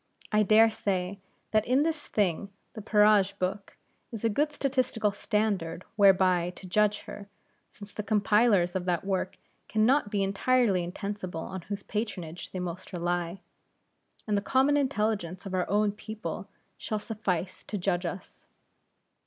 I dare say, that in this thing the Peerage Book is a good statistical standard whereby to judge her; since the compilers of that work can not be entirely insensible on whose patronage they most rely; and the common intelligence of our own people shall suffice to judge us.